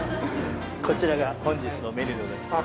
こちらが本日のメニューでございます。